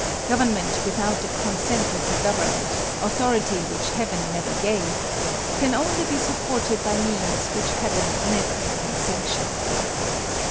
Government without the consent of the governed authority which heaven never gave can only be supported by means which heaven never can sanction.